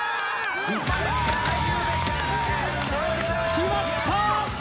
決まった！